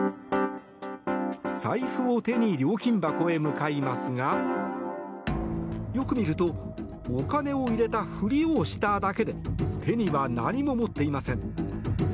財布を手に料金箱へ向かいますがよく見るとお金を入れたふりをしただけで手には何も持っていません。